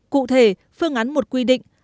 cụ thể phương án một quy định